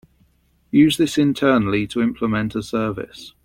Use this internally to implement a service.